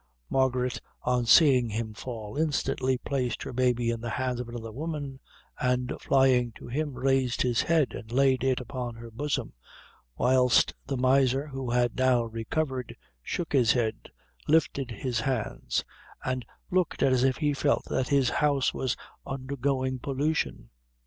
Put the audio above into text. Margaret, on seeing him fall, instantly placed her baby in the hands of another woman, and flying to him, raised his head and laid it upon her bosom; whilst the miser, who had now recovered, shook his head, lifted his hands, and looked as if he felt that his house was undergoing pollution.